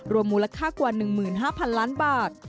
มูลค่ากว่า๑๕๐๐๐ล้านบาท